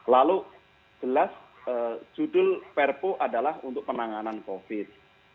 lalu jelas judul prpu adalah untuk penanganan covid sembilan belas